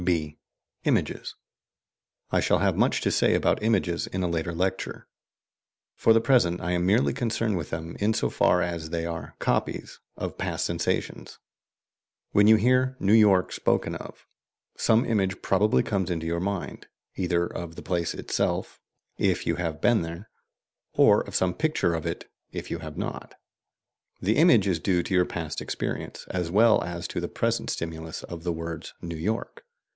(b) IMAGES. I shall have much to say about images in a later lecture; for the present I am merely concerned with them in so far as they are "copies" of past sensations. When you hear New York spoken of, some image probably comes into your mind, either of the place itself (if you have been there), or of some picture of it (if you have not). The image is due to your past experience, as well as to the present stimulus of the words "New York."